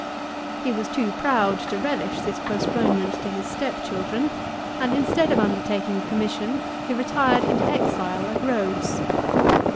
He was too proud to relish this postponement to his step children, and instead of undertaking the commission, he retired into exile at Rhodes.